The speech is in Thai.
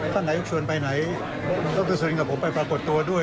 ท่านนายุคชวนไปไหนรัฐบาลสุลินกับผมไปปรากฏตัวด้วย